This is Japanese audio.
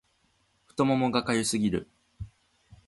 太ももが痒すぎる